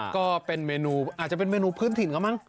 ก็เป็นมีรูปอาจจะเป็นเมนูเพื่อนถิ่นก้ะมัน